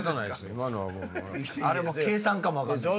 あれも計算かも分かんない。